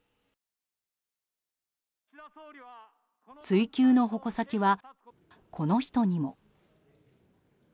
追及の矛先は、この人にも。